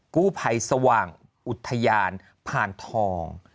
กู้ภัยสว่างอุทยานพานทอง